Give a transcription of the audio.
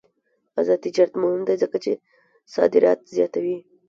آزاد تجارت مهم دی ځکه چې صادرات زیاتوي.